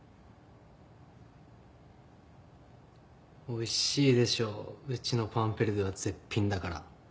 おいしいでしょうちのパンペルデュは絶品だから。